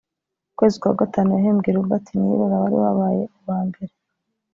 mu kwezi kwa Gatanu yahembye Robert Niyirora wari wabaye uwa mbere